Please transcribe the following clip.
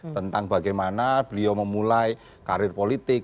tentang bagaimana beliau memulai karir politik